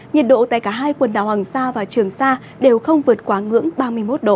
nhiệt độ tại cả hai quần đảo hoàng sa và trường sa đều không vượt quá ngưỡng ba mươi một độ